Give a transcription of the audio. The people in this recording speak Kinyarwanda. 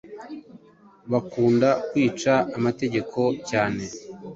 Bakunda kwica amategeko cyane,